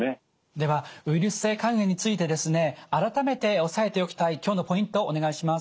ではウイルス性肝炎についてですね改めて押さえておきたい今日のポイントお願いします。